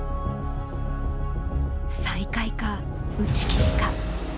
再開か打ち切りか。